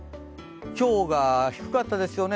今日が低かったですよね